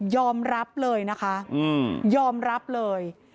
ยอมรับเลยนะคะยอมรับเลย